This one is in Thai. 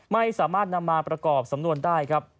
ไม่สามารถนำมาประกอบสำนวนได้ครับ